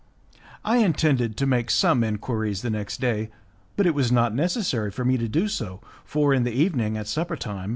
I intended to make some enquiries the next day, but it was not necessary for me to do so, for in the evening, at supper time, M.